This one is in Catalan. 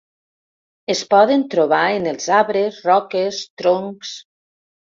Es poden trobar en els arbres, roques, troncs.